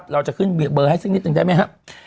เราจะขึ้นเบอร์ให้สักนิดนึงได้ไหมครับ